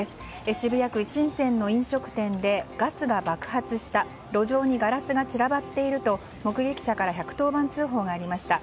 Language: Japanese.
渋谷区神泉の飲食店でガスが爆発した路上にガラスが散らばっていると目撃者から１１０番通報がありました。